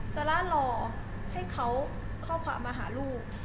ซาร่ารอให้เขาข้อความมาหาลูก